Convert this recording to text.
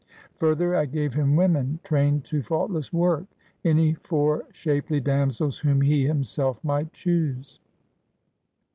Further, I gave him women trained to faultless work, any four shapely damsels whom he himself might choose."